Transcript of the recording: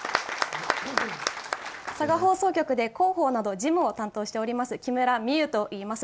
佐賀放送局で広報など事務を担当しております木村美友といいます。